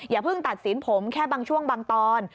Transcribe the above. อย่าเพิ่งตัดสินผมแค่บางช่วงบางตอน